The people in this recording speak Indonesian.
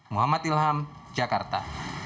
muhammad ilham jakarta